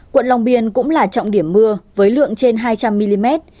quận long biên cũng là trọng điểm mưa với lượng trên hai trăm linh mm